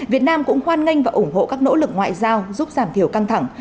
việt nam cũng hoan nghênh và ủng hộ các nỗ lực ngoại giao giúp giảm thiểu căng thẳng